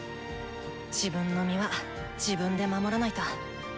自分の身は自分で守らないと。